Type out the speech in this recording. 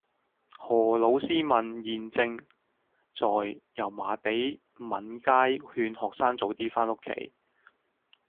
何老師問現正在油麻地閩街勸學生早啲返屋企